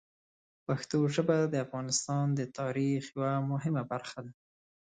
پښتو ژبه د افغانستان د تاریخ یوه مهمه برخه ده.